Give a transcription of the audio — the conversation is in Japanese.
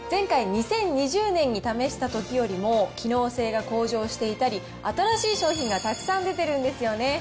前回・２０２０年に試したときよりも、機能性が向上していたり、新しい商品がたくさん出てるんですよね。